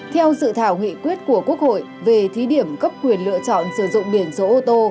theo dự thảo nghị quyết của quốc hội về thí điểm cấp quyền lựa chọn sử dụng biển số ô tô